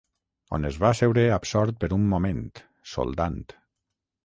O es va asseure absort per un moment, soldant.